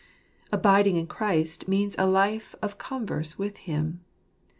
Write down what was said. Abiding in Christ tneans a life of converse with Him.